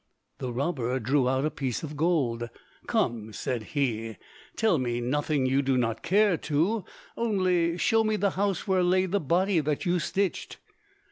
The robber drew out a piece of gold. "Come," said he, "tell me nothing you do not care to; only show me the house where lay the body that you stitched."